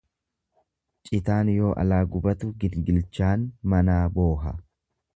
Citaan yoo alaa gubatu gingilchaan manaa booha.